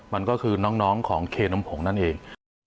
มันก็คือน้องของเคนมผงนั่นเอง